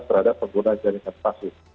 terhadap pengguna jaringan pasif